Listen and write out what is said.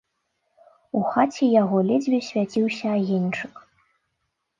У хаце яго ледзьве свяціўся агеньчык.